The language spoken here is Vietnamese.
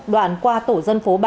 đoạn qua tổ dân phố ba